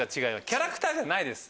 キャラクターじゃないです。